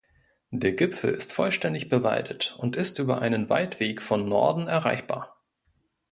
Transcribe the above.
Der Gipfel ist vollständig bewaldet und ist über einen Waldweg von Norden erreichbar.